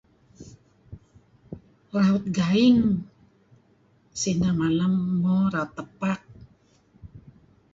Raut gaing sineh malem. Mo raut tepak.